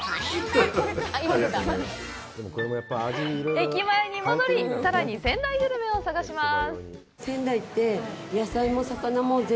駅前に戻り、さらに仙台グルメを探します。